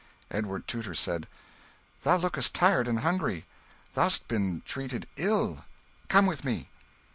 Edward Tudor said "Thou lookest tired and hungry: thou'st been treated ill. Come with me."